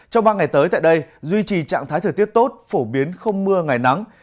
trong ba ngày tới tại đây duy trì trạng thái thời tiết tốt phổ biến không mưa ngày nắng